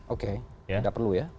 oke tidak perlu ya